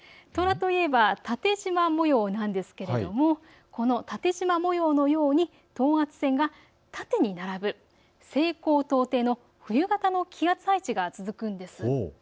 とらといえば縦じま模様なんですけれども縦じま模様のように等圧線が縦に並ぶ西高東低の冬型の気圧配置が続くんです。